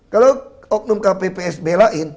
kalau oknum kpps belain